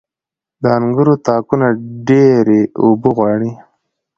• د انګورو تاکونه ډيرې اوبه غواړي.